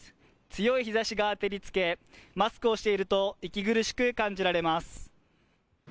強い日ざしが照りつけマスクをしていると息苦しく感じられます。